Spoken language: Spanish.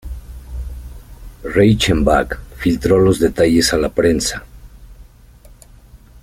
Reichenbach filtró los detalles a la prensa.